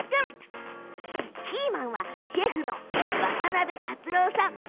キーマンがシェフの渡邊竜朗さん。